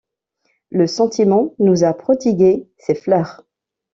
Le sentiment nous a prodigué ses fleurs.